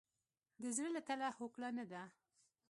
د زړه له تله هوکړه نه ده.